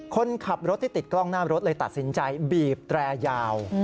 คนขับรถที่ติดกล้องหน้ารถเลยตัดสินใจบีบแตรยาว